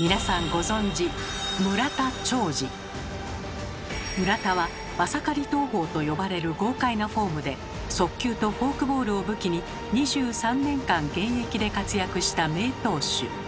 皆さんご存じ村田は「マサカリ投法」と呼ばれる豪快なフォームで速球とフォークボールを武器に２３年間現役で活躍した名投手。